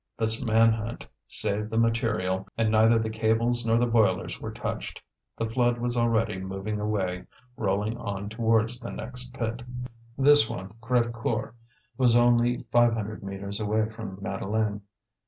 This man hunt saved the material, and neither the cables nor the boilers were touched. The flood was already moving away, rolling on towards the next pit. This one, Crévecoeur, was only five hundred metres away from Madeleine.